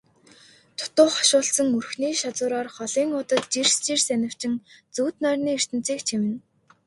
Дутуу хошуулдсан өрхний шазуураар холын одод жирс жирс анивчин зүүд нойрны ертөнцийг чимнэ.